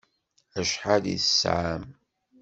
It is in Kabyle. Acḥal i tesɛam?